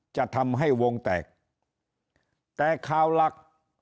จะทำให้วงแตกแต่ข่าวหลัก